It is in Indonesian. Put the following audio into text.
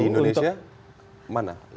di indonesia mana